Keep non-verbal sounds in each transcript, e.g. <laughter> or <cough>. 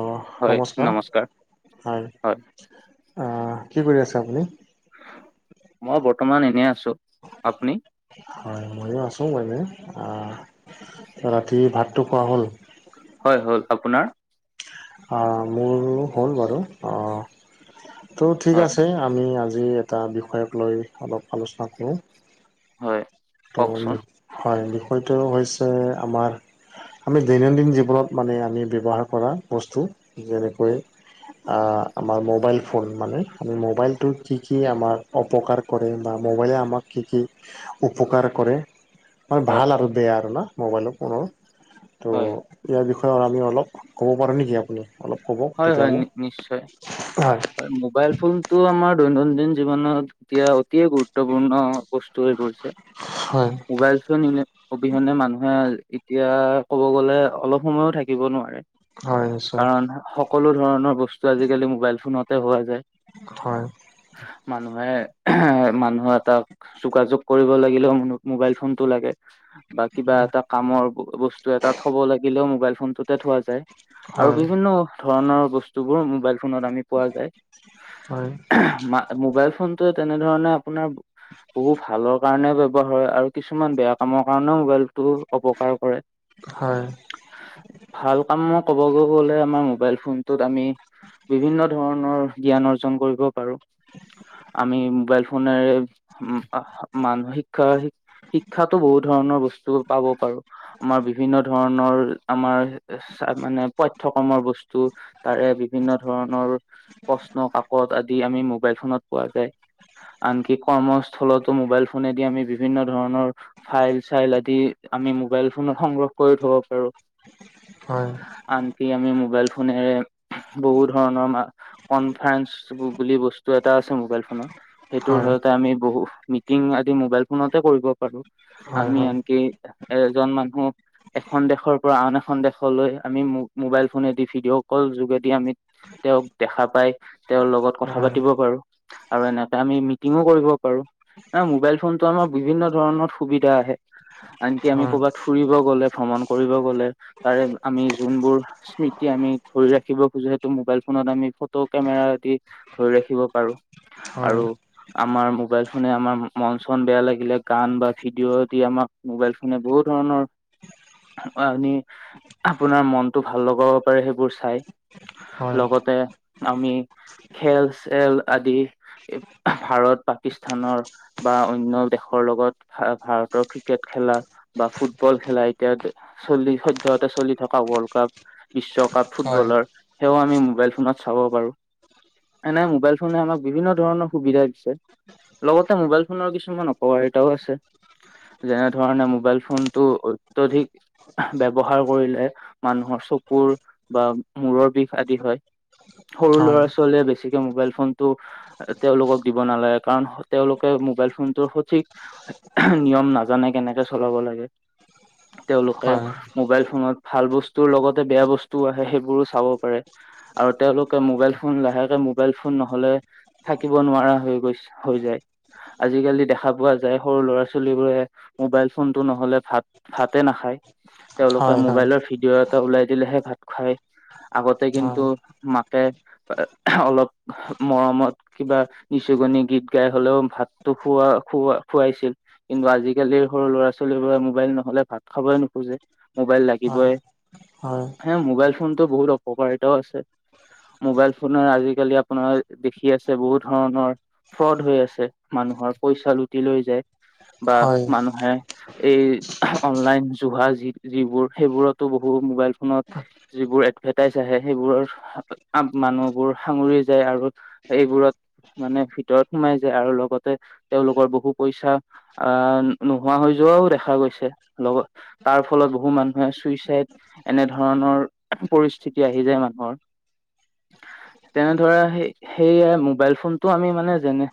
অ', নমস্কাৰ হয়, কি কৰি আছে আপুনি? মই বৰ্তমান এনে আছোঁ আপুনি? হয় ময়ো আছোঁ মানে, ৰাতি ভাতটো খোৱা হ'ল? হয়, হ'ল আপোনাৰ? অ', মোৰো হ'ল বাৰু অ ত' ঠিক হয়, আছে। আমি আজি এটা বিষয়ক লৈ অলপ আলোচনা কৰোঁ। হয়। ত' কওকচোন? হয় বিষয়টো হৈছে আমাৰ। আমি দৈনন্দিন জীৱনত মানে আমি ব্যৱহাৰ কৰা বস্তু যেনেকৈ আমাৰ মোবাইল ফোন মানে মোবাইলটো কি কি আমাৰ অপকাৰ। কৰে বা মোবাইলে আমাক কি, কি। উপকাৰ কৰে মানে হয়, ভাল আৰু বেয়া আৰু না মোবাইলৰ কোনো হয়। ত'। ইয়াৰ বিষয়ে আমি অলপ ক'ব পাৰোঁ নেকি আপুনি অলপ ক'ব হয়, তেতিয়া হয়, নি- নিশ্চয়। অলপ হয়। হয়, মোবাইল ফোন টো আমাৰ দৈনন্দিন জীৱনত এতিয়া গুৰুত্বপূৰ্ণ। বস্তু হৈ পৰিছে হয় মবাইল চ নিলে অবিহনে মানুহে এতিয়া কব গ'লে অলপ সময়ো থাকিব নোৱাৰে। হয় নিশ্চয় কাৰণ সকলো ধৰণৰ বস্তু আজিকালি মোবাইল ফোনতে হোৱা যায়। হয়। মানুহে এ মানুহৰ এটা যোগাযোগ কৰিব লাগিলেও ম-মোবাইল ফোনটো লাগে। বা কিবা হয় এটা কামৰ বস্তু এটা থব লাগিলেও মোবাইল ফোনটোতে থোৱা যায়। যায় আৰু হয় বিভিন্ন ধৰণৰ বস্তুবোৰ মোবাইল। ফোনত আমি পোৱা যায় হয় মোবাইল ফোনটোৱে তেনেধৰনে আপোনাৰ। বহু ভালৰ কাৰণে ব্যৱহাৰ হয় আৰু কিছুমান বেয়া কামৰ কাৰণেও মোবাইল বহু অপকাৰ কৰে হয় ভাল কাম কবগৈ গলে আমাৰ। মোবাইল ফোনটোত আমি বিভিন্ন ধৰণৰ জ্ঞান অৰ্জন কৰিব পাৰো আমি মোবাইল ফোনেৰে মান শিক্ষা শিক্ষাতো বহুত ধৰণৰ বস্তু পাব পাৰো। আমাৰ বিভিন্ন ধৰণৰ আমাৰ চা মানে পাঠ্যক্ৰমৰ বস্তু তাৰে বিভিন্ন ধৰণৰ প্ৰশ্ন কাকত আদি আমি মোবাইল ফোনত পোৱা যায়। আনকি কৰ্মস্থলতো মোবাইল ফোনেদি আমি বিভিন্ন ধৰণৰ ফাইল-চাইল আদি আমি মোবাইল ফোনত সংগ্ৰহ কৰি থব পাৰো। হয়। আনকি আমি মোবাইল ফোনেৰে বহু ধৰণৰ কনফাৰেঞ্চ বুলি বস্তু এটা আছে মোবাইল ফোনত। সেইটোৰ হয় জৰিয়তে আমি বহু মিটিং আদি মোবাইল ফোনতে কৰিব পাৰো। হয় হয় হয় আমি হয় আনকি এজন মানুহ এখন দেশৰ পৰা আন এখন দেশলৈ আমি মোবাইল ফোনে দি ভিডিঅ' কল যোগেদি আমি তেওঁক দেখা পাই, তেওঁৰ লগত কথা হয় পাতিব পাৰো। আৰু এনেকে আমি মিটিঙো কৰিব পাৰো। মোবাইল ফোনতটো আমাৰ বিভিন্ন ধৰণৰ সুবিধা আহে। আনকি আমি হয় হয় হয় হয় হয় হয় হয় কৰ'বাত ফুৰিব গলে ভ্ৰমণ কৰিব গ'লে তাৰে আমি যোনবোৰ স্মৃতি আমি ধৰি ৰাখিব খোজো, সেইটো মোবাইল ফোনত আমি ফটো কেমেৰা এদি ধৰি ৰাখিব পাৰো। আৰু আমাৰ মোবাইল ফোনে আমাৰ মন-চন বেয়া লাগিলে গান বা ভিডিঅ' দি আমাক মোবাইল ফোনে বহুত ধৰণৰ আপোনাৰ মনতটো ভাল লগাব। সেইবোৰ চাই, লগতে আমি খেল-চেল আদি ভাৰত, পাকিস্তানৰ বা অন্য দেশৰ লগত ভাৰতৰ ক্ৰিকেট খেলা। বা ফুটবল খেলা এতিয়া চলি শৈদহতে চলি থকা ৱৰ্ল্ড কাপ বিশ্বকাপ ফুটবলৰ সেয়াও আমি মোবাইল ফোনত চাব পাৰো। এনে মোবাইল ফোনে আমাক বিভিন্ন ধৰণৰ সুবিধা দিছে। লগতে মোবাইল ফোনৰ কিছুমান অপকাৰীতাও আছে। যেনে ধৰণে মোবাইল ফোনটো অত্যধিক ব্যৱহাৰ কৰিলে মানুহৰ চক কুৰ, বা মূৰৰ বিষ আদি হয়, সৰু ল'ৰা ছোৱালীয়ে বেছি বেছিকে মোবাইল ফোন টো তেওঁলোকক দিব নালাগে, কাৰণ তেওঁলোকে মোবাইল ফোনটোৰ সঠিক নিয়ম নাজানে কেনেকে চলাব লাগে। তেওঁলোকে মোবাইল ফোনত ভাল বস্তুৰ লগত যাতে বেয়া বস্তু আহে সেইবোৰো চাব পাৰে। আৰু তেওঁলোকে মোবাইল ফোন লাহেকে মোবাইল ফোন নহলে থাকিব নোৱাৰা হৈ গৈছে হৈ যায়, আজিকালি দেখা পোৱা যায় সৰু ল'ৰা ছোৱালী বোৰে মোবাইল ফোনতটো নহলে ভাত-ভাতে নাখায় তেওঁলোকে হয় মোবাইলৰ ভিডিঅ' এটা ওলাই দিলেহে ভাত খায়, আগতে কিন্তু মাকে অলপ মৰমত কিবা নিচুকনি গীত গাই হ'লেও ভাতটো খোৱা - খোৱাইছিল। কিন্তু আজিকালিৰ সৰু ল'ৰা ছোৱালীবোৰে মোবাইল নহলে ভাত খাবই নোখোজে, মোবাইল লাগিবই। হে, মোবাইল ফোনটো বহুত অপকাৰিতাও আছে। মোবাইল ফোনৰ আজিকালি আপোনাৰ দেখি আছে বহুত ধৰণৰ ফ্ৰড হৈ আছে মানুহৰ পইচা লুটি লৈ যায় বা মানুহে এই অনলাইন জুহা যি যিবোৰ সেইবোৰতো বহু মোবাইল ফোনত যিবোৰ এডভাৰটাইজ আহে, সেইবোৰৰ মানুহবোৰ সাঙৰি যায় আৰু এইবোৰত মানে ভিতৰত সোমাই যায় আৰু লগতে তেওঁলোকৰ বহু পইচা আহ, নোহোৱা হৈ যোৱাও দেখা গৈছে, লগত তাৰ ফলত বহু মানুহে চুইচাইদ এনে ধৰণৰ পৰিস্থিতি আহি যায় মানুহৰ। তেনে ধৰা, সেইহে মোবাইল ফোনটো আমি মানে, যেনে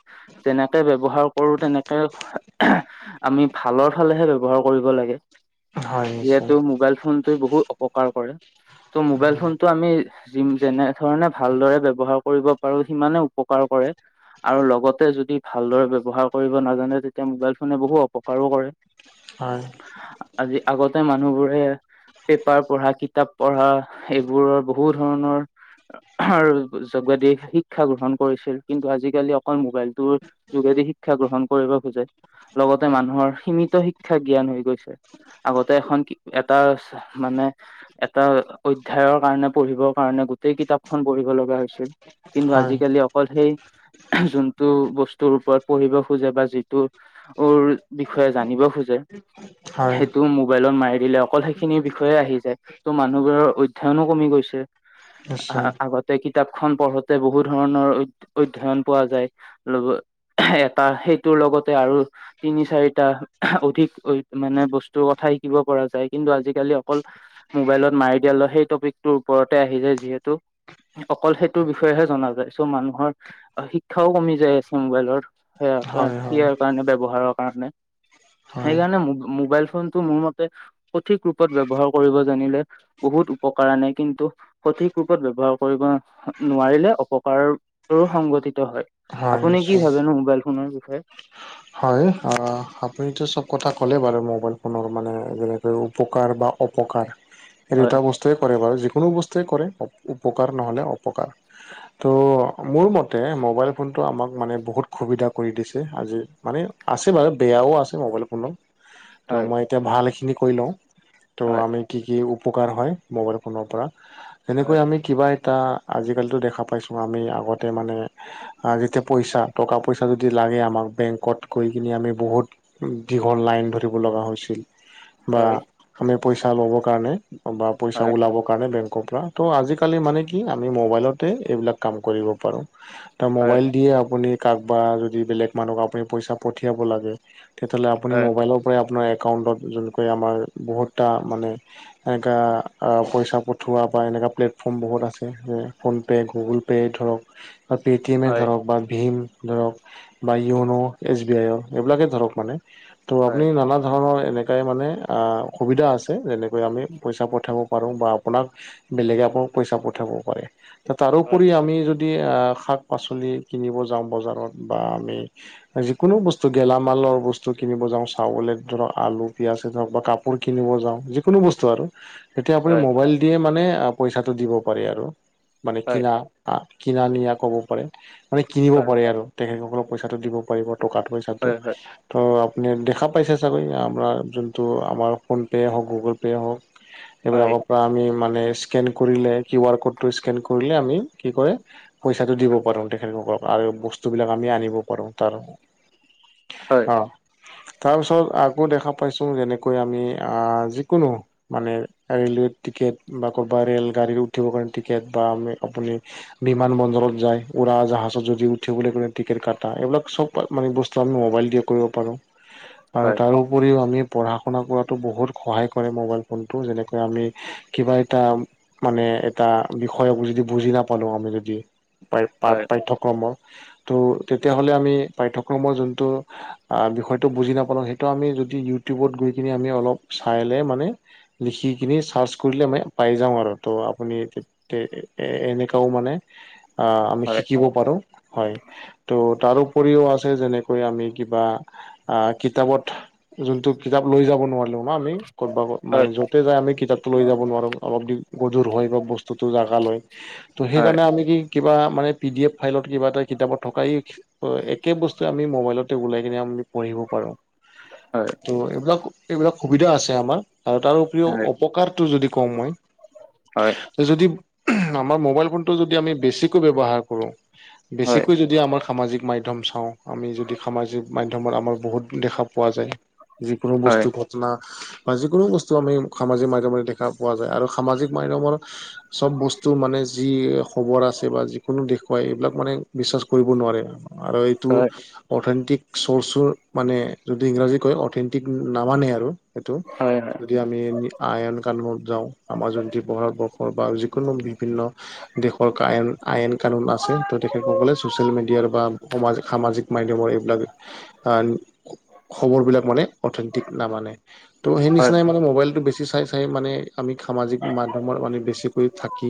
যেনেকে ব্যৱহাৰ কৰো, তেনেকে আমি ভালৰ ফালেহে ব্যৱহাৰ কৰিব লাগে, যিহেতু মোবাইল ফোনটো বহু উপকাৰ কৰে, ত' মোবাইল হয় ফোনটো আমি যি যেনে ধৰণে ভালদৰে ব্যৱহাৰ কৰিব পাৰো, সিমানে উপকাৰ কৰে। আৰু লগতে যদি ভালদৰে ব্যৱহাৰ কৰিব নাজানে, তেতিয়া মোবাইল ফোনে বহু অপকাৰো কৰে। <unintelligible> আজি, আগতে মানুহবোৰে পেপাৰ পঢ়া, কিতাপ পঢ়া, এইবোৰৰ বহুত ধৰণৰ আৰু যোগদি শিক্ষা গ্ৰহণ কৰিছিল, কিন্তু আজিকালি অকল মোবাইলটো যোগেদি শিক্ষা গ্ৰহণ কৰিব খোজে, লগতে মানুহৰ সীমিত শিক্ষা জ্ঞান হৈ গৈছে। আগতে এখন কি এটা মানে এটা অধ্যয়অৰ কাৰণে পঢ়িবৰ কাৰণে গোটেই কিতাপখন পঢ়িব লগা হৈছিল। কিন্তু হয় আজিকালি অকল সেই যোনটো বস্তুৰ ওপৰত পঢ়িব খোজে বা যিটো উৰ বিষয়ে জানিব খোজে, হয় সেইটো মোবাইলত মাৰি দিলে অকল সেইখিনি বি বিষয়ে আহি যায়, ত' মানুহবোৰৰ অধ্যয়নো কমি গৈছে। নিশ্চয় আগত কিতাপখন পঢ়োতে বহু ধৰণৰ অধ্যয়ন পোৱা যায়। ল এটা সেইটোৰ লগতে আৰু তিনি চাৰিটা অধিক মানে, বস্তুৰ কথা শিকিব পৰা যায়। কিন্তু আজিকালি অকল মোবাইলত মাৰি দিয়া লয় সেই টপিকটোৰ ওপৰতে আহি যায়। যিহেতু অকল সেইটোৰ বিষয়েহে জনা যায়। চ' মানুহৰ শিক্ষাও কমি যাই আছে মোবাইলৰ সেয়া হয় হয় হয় নিশ্চয় হয় হয় সেয়াৰ কাৰণে ব্যৱহাৰৰ কাৰণে। হয় সেইকাৰণে ম মোবাইল ফোনটো মোৰ মতে, সঠিক ৰূপত ব্যৱহাৰ কৰিব জানিলে বহুত উপকাৰ আনে কিন্তু সঠিক ৰূপত ব্যৱহাৰ কৰিব নোৱাৰিলে, অপকাৰৰো সংঘটিত হয়। আপুনি কি ভাবেনো মোবাইল ফোনৰ বিষয়ে? হয় অ'। আপুনিতো চব কথা ক'লেই বাৰু মোবাইল ফোনৰ মানে যেনেকৈ উপকাৰ বা অপকাৰ। এই দুটা হয়, বস্তুৱে কৰে বাৰু যিকোনো বস্তুৱে কৰে। উপকাৰ নহলে অপকাৰ। হয়, ত' মোৰ মত মোবাইল ফোন টো আমাক মানে বহুত সুবিধা কৰি দিছে, আজি মানে আছে বাৰু বেয়াও আছে, ম'বাইল ফোনত তো হয়, মই এতিয়া, ভালখিনি কৰি লওঁ ত' হয়, আমি কি কি উপকাৰ হয় মোবাইল ফোনৰ পৰা। তেনেকৈ হয়, আমি কিবা এটা, আজিকালিতো দেখা পাইছোঁ। আমি আগতে মানে যেতিয়া পইচা, টকা পইচা যদি লাগে আমাক বেংকত গৈ কিনি আমি বহুত দীঘল লাইন ধৰিব লগা হৈছিল, বা হয়, আমি পইচা ল'বৰ কাৰণে বা পইচা হয়, ওলাব কাৰণে বেংকৰ পৰা ত' আজিকালি মানে কি আমি মোবাইলতে এইবিলাক কাম কৰিব পাৰোঁ। তাৰ হয়, মোবাইল দিয়ে আপুনি কাৰোবা যদি বেলেগ মানুহক আপুনি পইচা পঠিয়াব লাগে। তেতিয়াহ'লে আপুনি হয়, মোবাইলৰ পৰাই আপোনাৰ একাউণ্টত, যোনকৈ আমাৰ বহুতটা মানে এনেুৱা পইচা পঠিওৱা বা এনেকুৱা প্লেটফৰ্ম বহুত আছে। PhonePe', Google pay. Pay ধৰক বা পে'টিএমে হয়, ধৰক বা ভীম ধৰক বা য়োন' এছ বি আইৰ। এইবিলাকে ধৰক মানে, ত' আপুনি হয়, নানা ধৰণৰ এনে এটাই মানে সুবিধা আছে। যেনেকৈ আমি পইচা পঠাব পাৰোঁ বা আপোনাক বেলেগ আকৌ পইচা পঠাব পাৰে। হয়, তাৰোপৰি আমি যদি শাক-পাচলি কিনিব যাওঁ বজাৰত বা আমি যিকোনো বস্তু দি গেলামালৰ বস্তু কিনিব যাওঁ, চাউলে ধৰক আলু, পিয়াঁজ ধৰক বা কাপোৰ কিনিব যাওঁ য কোনো বস্তু আৰু এতিয়া আপুনি হয়, মোবাইল দিয়েই মানে পইচাটো দিব পাৰে আৰু, মানে হয়, কিনা কিনা নিয়া ক'ব পাৰে, মানে কিনিব হয়, পাৰে আৰু, তেখেতসকলক পইচা দিব পাৰিব টকা টো পইচা। তাতো। হয়, হয়, তো আপুনি দেখা পাইছে চাগৈ, আমাৰ যোনটো আমাৰ ফোনপে'য়ে হওক গুগল পে'য়ে হওক। হয়, সেইবিলাকক বা আমি মানে স্কেন কৰিলে, কিউ আৰ ক'ডটো স্কেন কৰিলে আমি কি কয় পইছাটো দিব পাৰোঁ তেখেতসকলক আৰু বস্তুবিলাক আমি আনিব পাৰোঁ তাৰ। হয়, হয়, অ', তাৰপিছত আকৌ দেখা পাইছো, যেনেকৈ আমি আহ যিকোনো মানে ৰেলৱে টিকেট বা কৰ'বাত ৰেল গাড়ী উঠিবৰ কাৰণে টিকেট বা আ আপুনি বিমান বন্দৰত যায়, উৰা জাহাজত যদি উঠিবলৈ কলে টিকেট কটা, এইবিলাক চব মানে বস্তু আমি মোবাইল দিয়ে কৰিব পাৰোঁ আৰু তাৰো উপৰিও আমি পঢ়া শুনা কৰাটো বহুত সহায় কৰে মোবাইল ফোনটো যেনেকৈ আমি কিবা এটা মানে এটা বিষয়ক যদি বুজি নাপালো, আমি যদি প পা হয়, পাঠ্যক্ৰমৰ, ত' তেতিয়া হ'লে আমি পাঠ্যক্ৰমৰ যোনটো বিষয়টো বুজি নাপালো, সেইটো আমি যদি ইউটিউবত গৈ কিনি আমি অলপ চাইলে মানে লিখি কিনি ছাৰ্চ কৰিলে মানে পাই যাওঁ আৰু তো আপুনি কে এ এনেকাও মানে অ', আমি শিকিব পাৰোঁ, হয়, ত' তাৰো উপৰিও আছে যেনেকৈ আমি কিবা, কিতাপত যোনটো কিতাপ লৈ যাব নোৱাৰিলো বা আমি মানে য'তে যাই আমি কিতাপটো লৈ যাব নোৱাৰো, অলপ <unintelligible> হয় বা বস্তু টো জাগালৈ। ত' হয়, হয়, হয়, হয়, হয়, হয়, হয়, হয়, হয়, হয়, সেই কাৰণে আমি কি কিবা মানে পি ডি এফ ফাইলত কিবা এটা কিতাপত থকা এই একেই বস্তু আমি মোবাইলতে ওলাই কিনে আমি পঢ়িব পাৰো। হয়। ত' এইবিলাক এইবিলাক সুবিধা আছে আমাৰ আৰু তাৰ উপৰিও অপকাৰটো যদি কওঁ মই হয়, যদি আমাৰ মোবাইল ফোনটো যদি আমি বেছিকৈ ব্যৱহাৰ কৰো বেছিকৈ যদি আমাৰ সামাজিক মাধ্যম চাওঁ, আমি যদি সামাজিক মাধ্যমত আমাৰ বহুত দেখা পোৱা যায়, যিকোনো বস্তু কত ঘটনা বা যিকোনো বস্তু আমি সামাজিক মাধ্যমত দেখা পোৱা যায় আৰু সামাজিক মাধ্যমৰ চব বস্তু মানে যি খবৰ আছে বা যিকোনো দেখুৱাই, এইবিলাক মানে বিশ্বাস কৰিব নোৱাৰে। আৰু এইটো অৰ্থনৈতিক চৰ্চৰ মানে যদি ইংৰাজী কয় অথেন্টিক নামানে আৰু সেইটো, যদি আ আমি আইন কানুনত যাওঁ, আমাৰ <unintelligible> ভাৰতবৰ্ষৰ বা যিকোনো বিভিন্ন দেশৰ কা আইন, আইন কানুন আছে, ত' তেখেতসকলে ছ'চিয়েল মিডিয়াৰ বা সমাজ সামাজিক মাধ্যমৰ এইবিলাক আহ খবৰ বিলাক মানে অথেন্টিক নামানে, ত' সেই নিচিনাই মানে মোবাইলতটো বেছি চাই চাই চাই মানে আমি সামাজিক মাধ্যমৰ মানে বেছিকৈ থাকি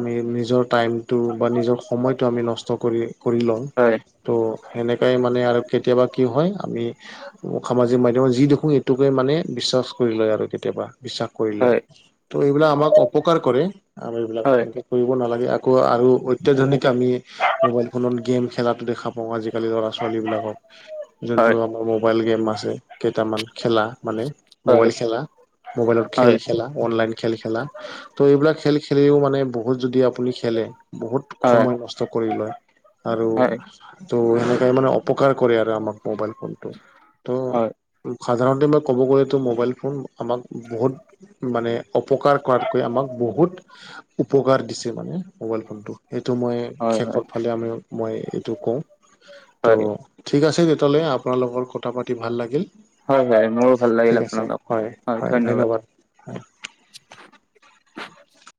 আমি নিজৰ টাইমটো বা নিজৰ সময়টো আমি নষ্ট কৰি কৰি লওঁ হয়। ত' সেনেকাই মানে আৰু কেতিয়াবা কি হয়? আমি সামাজিক মাধ্যমৰ যি দেখোঁ, এইটোকে মানে বিশ্বাস কৰি লয় আৰু কেতিয়াবা, বিশ্বাস কৰি লয়। ত' এইবিলাক আমাক অপকাৰ কৰে। আমি এইবিলাক হয়, তেনেকে কৰিব নালাগে, আকৌ আৰু অত্যাধুনিক আমি মোবাইল ফোনত গেম খেলাটো দেখা পাওঁ, আজিকালি ল'ৰা ছোৱালী বিলাকক যোনটো হয় আমাৰ মোবাইল গেম আছে, কেইটামান খেলা মানে হয় মোবাইল খেলা, মোবাইলত খেল হয় খেলা অনলাইন খেল খেলা, ত' এইবিলাক খেল খেলিও মানে বহুত যদি আপুনি খেলে বহুত হয় সময় নষ্ট কৰি লয়, আৰু হয় ত' সেনেকাই মানে অপকাৰ কৰে আৰু আমাক মোবাইল ফোনটো হয় ত' সাধাৰণতে মই ক'ব গ'লেটো মোবাইল ফোন আমাক বহুত মানে অপকাৰ কৰাতকৈ আমাক বহুত উপকাৰ দিছে, মানে, মোবাইল ফোনটো সেইটো মই হয় হয় শেষৰ ফালে আমি মই টো কওঁ হয় ত' ঠিক আছে, তেতিয়া হ'লে আপোনাৰ লগত কথা পাতি ভাল লাগিল। হয় হয় মোৰো ভাল লাগিল ঠিক আছে, আপোনাৰ লগত হয় হয় ধন্যবাদ।